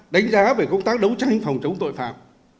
đánh giá về công tác đấu tranh phòng chống tội phạm